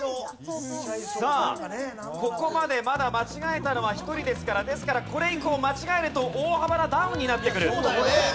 さあここまでまだ間違えたのは１人ですからですからこれ以降間違えると大幅なダウンになってくる。